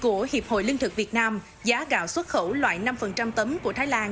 của hiệp hội lương thực việt nam giá gạo xuất khẩu loại năm tấm của thái lan